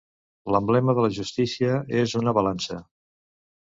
L'emblema de la justícia és una balança.